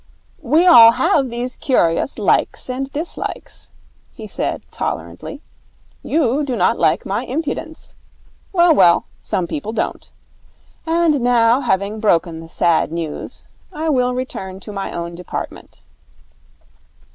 'We all have these curious likes and dislikes,' he said tolerantly. 'You do not like my impudence. Well, well, some people don't. And now, having broken the sad news, I will return to my own department.'